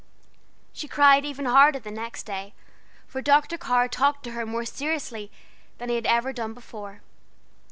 She cried even harder the next day, for Dr. Carr talked to her more seriously than he had ever done before.